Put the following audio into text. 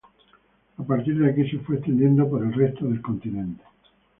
A partir de aquí se fue extendiendo por el resto del continente.